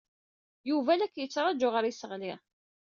Yuba la k-yettṛaju ɣer yiseɣli.